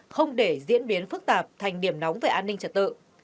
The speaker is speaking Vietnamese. không để diễn biến phức tạp thành điểm nóng về an ninh trật tự